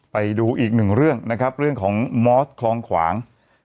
ไปดูอีกหนึ่งเรื่องนะครับเรื่องของมอสคลองขวาง